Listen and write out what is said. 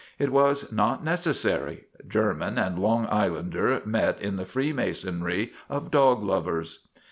It was not necessary ; German and Long Islander met in the free masonry of dog lovers.